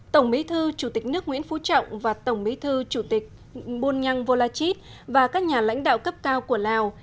ba tổng mỹ thư chủ tịch nước nguyễn phú trọng và tổng mỹ thư chủ tịch bôn nhăn vô la chít và các nhà lãnh đạo cấp cao của lào